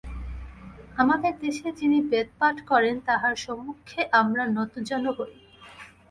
আমাদের দেশে যিনি বেদপাঠ করেন, তাঁহার সম্মুখে আমরা নতজানু হই।